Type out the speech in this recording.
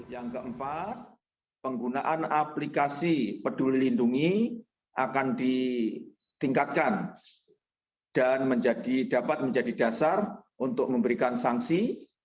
yang keempat penggunaan aplikasi peduli lindungi akan ditingkatkan dan dapat menjadi dasar untuk memberikan sanksi